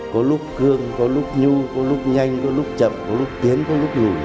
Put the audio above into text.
có lúc cương có lúc nhu có lúc nhanh có lúc chậm có lúc tiến có lúc nhủ